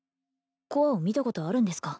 コアを見たことあるんですか？